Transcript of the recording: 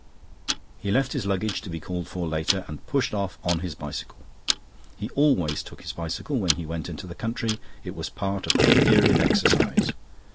He left his luggage to be called for later, and pushed off on his bicycle. He always took his bicycle when he went into the country. It was part of the theory of exercise.